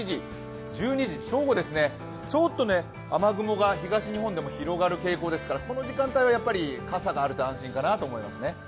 １１時、１２時、正午、ちょっと雨雲が東日本でも広がる傾向ですからこの時間帯は傘があると安心かなと思いますね。